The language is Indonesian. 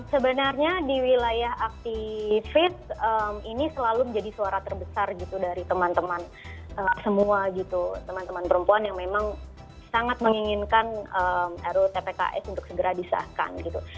sebenarnya di wilayah aktivis ini selalu menjadi suara terbesar gitu dari teman teman semua gitu teman teman perempuan yang memang sangat menginginkan rutpks untuk segera disahkan gitu